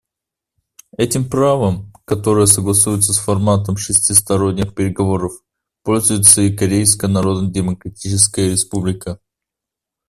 Этим правом, которое согласуется с форматом шестисторонних переговоров, пользуется и Корейская Народно-Демократическая Республика.